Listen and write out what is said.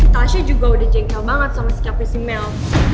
tasya juga udah jengkel banget sama sikapnya si mel